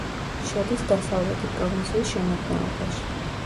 შედის დასავლეთი პროვინციის შემადგენლობაში.